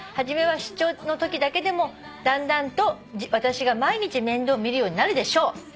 「初めは出張のときだけでもだんだんと私が毎日面倒を見るようになるでしょう」